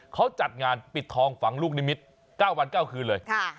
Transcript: ข้าวจัดงานปิดทองฝังลูกในมิตเก้าวันเก้าคืน